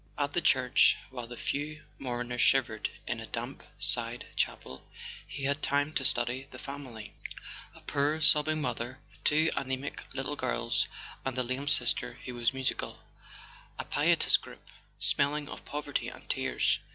At the church, while the few mourners shivered in a damp side chapel, he had time to study the family: a poor sobbing mother, two anaemic little girls, and the lame sister who was musical—a piteous group, smelling of poverty and tears.